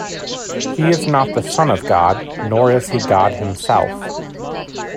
He is not the Son of God, nor is he God himself.